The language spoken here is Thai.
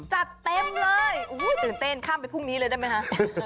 สุดท้ายตื่นเต้นข้ามไปพรุ่งนี้เลยได้มั้ยฮะ